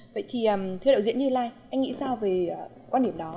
vậy thì thưa đạo diễn như lai anh nghĩ sao về quan điểm đó